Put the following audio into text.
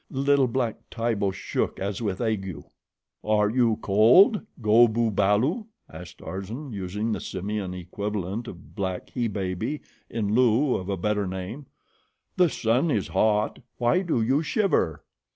Little black Tibo shook as with ague. "Are you cold, Go bu balu?" asked Tarzan, using the simian equivalent of black he baby in lieu of a better name. "The sun is hot; why do you shiver?"